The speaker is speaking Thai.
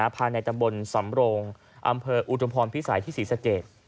ภายในตำบลสำโรงอำเภออุทุมพรพิสัยที่ศรีสเกต